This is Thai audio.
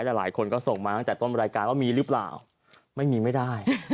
หลายคนก็ส่งมาตั้งแต่ต้นรายการว่ามีหรือเปล่าไม่มีไม่ได้